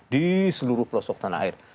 di seluruh pelosok tanah air